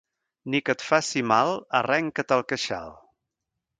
Ni que et faci mal, arrenca't el queixal.